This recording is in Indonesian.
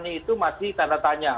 ini itu masih tanda tanya